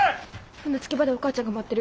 舟着き場でお母ちゃんが待ってる。